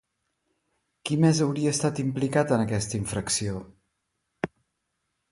Qui més hauria estat implicat en aquesta infracció?